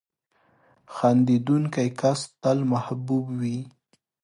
• خندېدونکی کس تل محبوب وي.